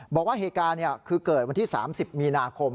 บอกว่าเหตุการณ์คือเกิดวันที่๓๐มีนาคม